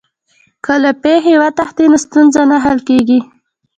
که له پېښي وتښتې نو ستونزه نه حل کېږي.